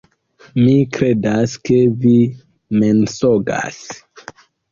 Mi kredas, ke vi mensogas